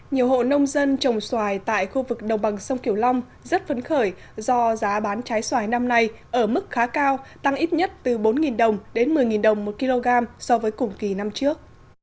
nhiều hộ nông dân trồng xoài tại khu vực đồng bằng sông kiểu long rất phấn khởi do giá bán trái xoài năm nay ở mức khá cao tăng ít nhất từ bốn đồng đến một mươi đồng một kg so với cùng kỳ năm trước